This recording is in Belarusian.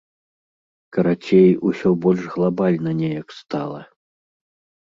Карацей, усё больш глабальна неяк стала.